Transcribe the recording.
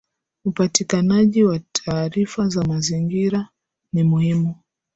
Upatikanaji wa taarifa za mazingira ni muhimu